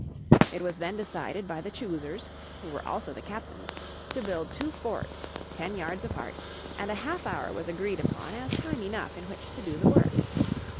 It was then decided by the choosers, who were also the captains, to build two forts, ten yards apart, and a half hour was agreed upon as time enough in which to do the work.